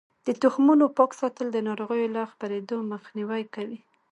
د تخمونو پاک ساتل د ناروغیو له خپریدو مخنیوی کوي.